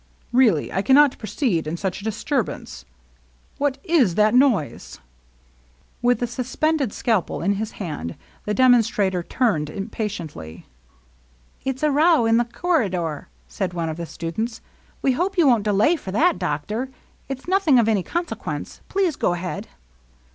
Really, I cannot proceed in such a disturbance — What 18 that noise ?" With the suspended scalpel in his hand, the demonstrator turned impatiently. " It 's a row in the corridor," said one of the stu dents. " We hope you won't delay for that, doctor. It 's nothing of any consequence. Please go ahead."